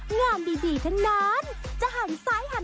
งานดีเท่านั้น